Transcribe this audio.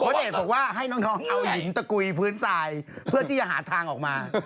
เดชบอกว่าให้น้องเอาหินตะกุยพื้นทรายเพื่อที่จะหาทางออกมา